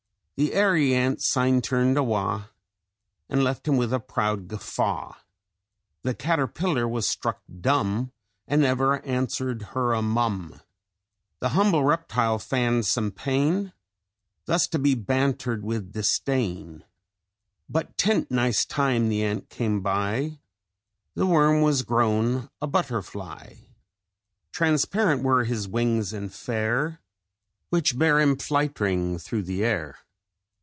The airy Ant syne turned awa, And left him wi' a proud gaffa._ "_The Caterpillar was struck dumb, And never answered her a mum: The humble reptile fand some pain, Thus to be bantered wi' disdain. But tent neist time the Ant came by, The worm was grown a Butterfly; Transparent were his wings and fair, Which bare him flight'ring through the air.